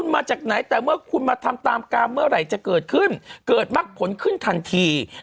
มาทำตามการเมื่อไหร่จะเกิดขึ้นเกิดมักผลขึ้นทันที